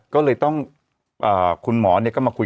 ก็เลยต้องคุณหมอก็มาคุยกับทางญาติ